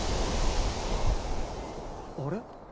あれ？